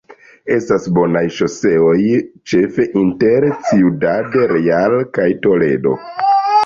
Estas bonaj ŝoseoj ĉefe inter Ciudad Real kaj Toledo.